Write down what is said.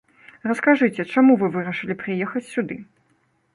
Раскажыце, чаму вы вырашылі прыехаць сюды?